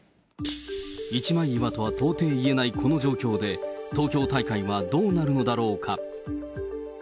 一枚岩とは到底言えないこの状況で、東京大会はどうなるのだろうか。